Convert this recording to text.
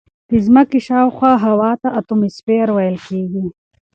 د ځمکې شاوخوا هوا ته اتموسفیر ویل کیږي.